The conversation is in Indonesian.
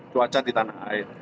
cuaca di tanah air